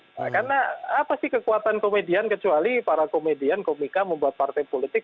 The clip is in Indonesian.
karena pasti kekuatan komedian kecuali para komedian komika membuat partai politik